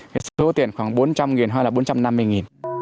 cái số tiền khoảng bốn trăm linh nghìn hay là bốn trăm năm mươi nghìn